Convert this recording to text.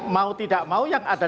mau tidak mau yang ada